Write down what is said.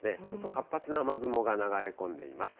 活発な雨雲が流れ込んでいます。